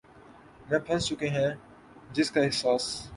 میں پھنس چکے ہیں جس کا احساس